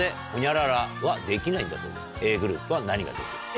Ａグループは何ができる？